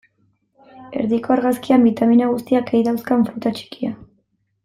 Erdiko argazkian, bitamina guztiak ei dauzkan fruta txikia.